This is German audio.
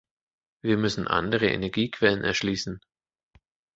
Wir müssen andere Energiequellen erschließen.